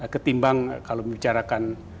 ketimbang kalau membicarakan